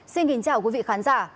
xin kính chào quý vị khán giả